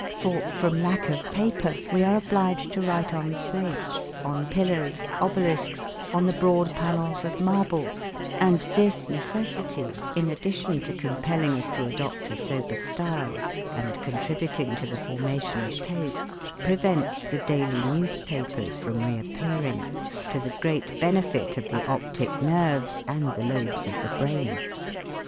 For, from lack of paper, we are obliged to write on slates, on pillars, obelisks, on the broad panels of marble, and this necessity, in addition to compelling us to adopt a sober style and contributing to the formation of taste, prevents the daily newspapers from reappearing, to the great benefit of the optic nerves and the lobes of the brain.